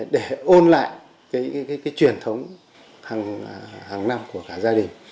để ôn lại cái truyền thống hàng năm của cả gia đình